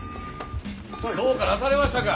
どうかなされましたか？